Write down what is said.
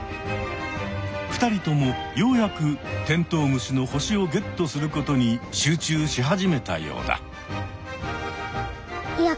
２人ともようやくテントウムシの星をゲットすることに集中し始めたようだ。